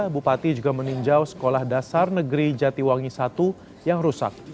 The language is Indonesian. bupati juga meninjau sekolah dasar negeri jatiwangi i yang rusak